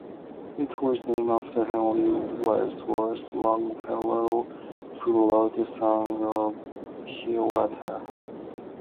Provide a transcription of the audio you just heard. It was named after Henry Wadsworth Longfellow, who wrote The Song of Hiawatha.